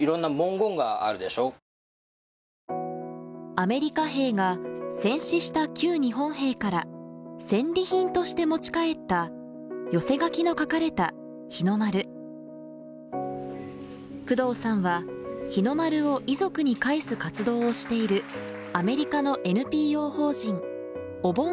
アメリカ兵が戦死した旧日本兵から戦利品として持ち帰った寄せ書きの書かれた日の丸工藤さんは日の丸を遺族に返す活動をしているアメリカのＮＰＯ法人ＯＢＯＮ